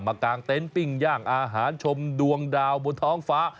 กลางเต็นต์ปิ้งย่างอาหารชมดวงดาวบนท้องฟ้า